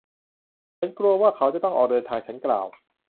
ฉันกลัวว่าเขาจะต้องออกเดินทาง ฉันกล่าว